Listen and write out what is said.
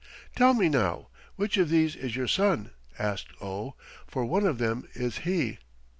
"Tell me now, which of these is your son?" asked Oh, "for one of them is he."